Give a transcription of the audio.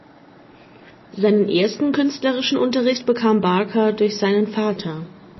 Seinen ersten künstlerischen Unterricht bekam Barker durch seinen Vater.